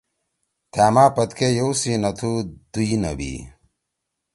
تھأما پدکے یوو سی نہ تھو دُئی نبی